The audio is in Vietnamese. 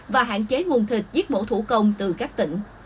và hạn chế nguồn thịt giết mổ thủ công từ các tỉnh